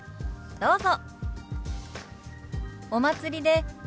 どうぞ。